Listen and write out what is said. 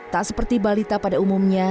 tak seperti balita pada umumnya